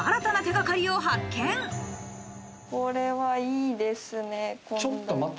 これは、いいですね。